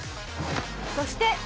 「そして」